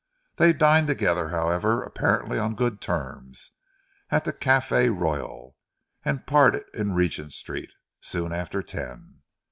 They dined together, however, apparently on good terms, at the Cafe Royal, and parted in Regent Street soon after ten.